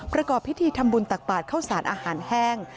ประกอบพิธีทำบุญตักบาทเข้าสารอาหารแห้ง